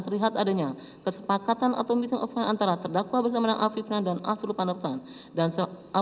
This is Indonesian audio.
terlihat adanya kesepakatan atau meeting of mind antara terdakwa bersama dengan apif kirmansyah dan asrul pandapota asyatan